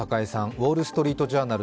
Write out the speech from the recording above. ウォールストリート・ジャーナル